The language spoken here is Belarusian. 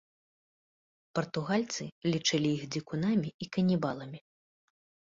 Партугальцы лічылі іх дзікунамі і канібаламі.